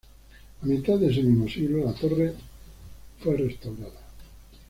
A mitad de ese mismo siglo la torre fue restaurada.